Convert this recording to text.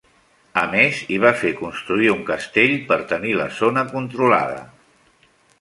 A més, hi va fer construir un castell per tenir la zona controlada.